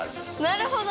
なるほど！